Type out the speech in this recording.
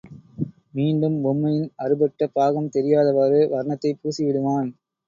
மீண்டும் பொம்மையின் அறுபட்ட பாகம் தெரியாதவாறு வர்ணத்தைப் பூசிவிடுவான்.